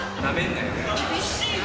厳しいな。